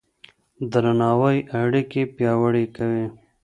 درناوی اړيکې پياوړې کوي.